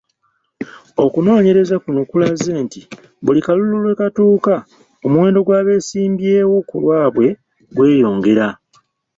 Okunoonyereza kuno kulaze nti buli kalulu lwe katuuka omuwendo gw'abeesimbyewo ku lwabwe gweyongera.